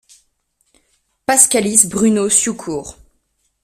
Paskalis Bruno Syukur.